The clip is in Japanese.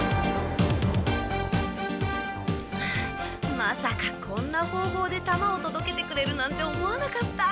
まさかこんな方法でたまをとどけてくれるなんて思わなかった。